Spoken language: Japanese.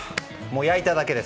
焼いただけです。